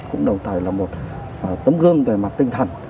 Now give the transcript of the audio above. cũng đồng thời là một tấm gương về mặt tinh thần